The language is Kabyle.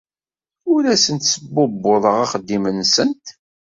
Ur asent-sbubbuḍeɣ axeddim-nsent.